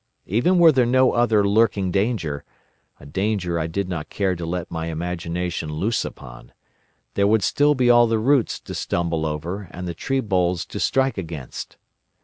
Even were there no other lurking danger—a danger I did not care to let my imagination loose upon—there would still be all the roots to stumble over and the tree boles to strike against.